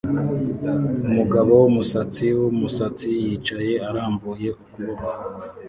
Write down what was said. Umugabo wumusatsi wumusatsi yicaye arambuye ukuboko